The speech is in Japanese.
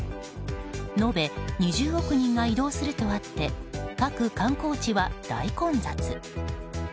延べ２０億人が移動するとあって各観光地は大混雑。